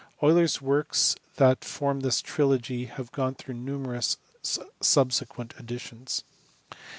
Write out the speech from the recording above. Euler s works that form this trilogy have gone through numerous subsequent editions.